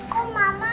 kok mama gak basah